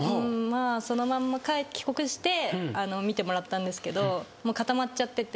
そのまんま帰国して診てもらったんですけどもう固まっちゃってて。